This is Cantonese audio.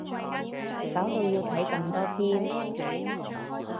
搞到要睇咁多篇